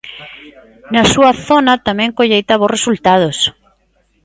Na súa zona tamén colleita bos resultados.